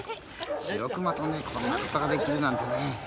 シロクマとこんなことができるなんてね